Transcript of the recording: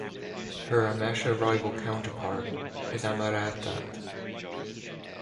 Her amesha rival counterpart is Ameretat.